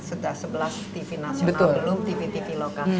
sudah sebelas tv nasional belum tv tv lokal